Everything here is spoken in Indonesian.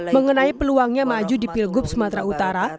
mengenai peluangnya maju di pilgub sumatera utara